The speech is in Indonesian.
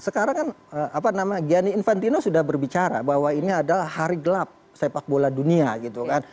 sekarang kan apa nama gianni infantino sudah berbicara bahwa ini adalah hari gelap sepak bola dunia gitu kan